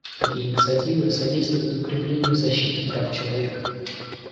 Такие инициативы содействуют укреплению защиты прав человека.